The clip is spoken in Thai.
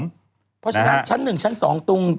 เพราะฉะนั้นชั้น๑ชั้น๒ตรง